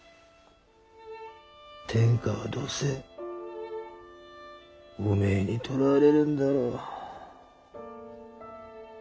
天下はどうせおめえに取られるんだろう。